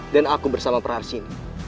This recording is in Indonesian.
dan aku bersama praharsini